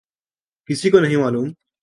کسی کو نہیں معلوم۔